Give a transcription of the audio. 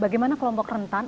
bagaimana kelompok rentan